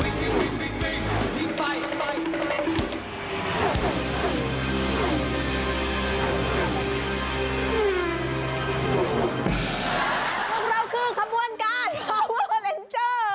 เราคือความบ้วนการพลาวเวอร์เฟอร์เรนเจอร์